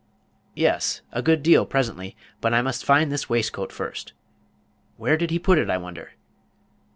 "Yes, a good deal presently; but I must find this waistcoat first. Where did he put it, I wonder?